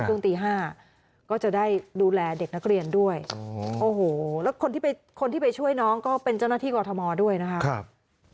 ตี๕ก็จะได้ดูแลเด็กนักเรียนด้วยโอ้โหแล้วคนที่ไปคนที่ไปช่วยน้องก็เป็นเจ้าหน้าที่กรทมด้วยนะครับ